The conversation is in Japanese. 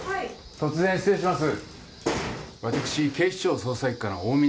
突然失礼します。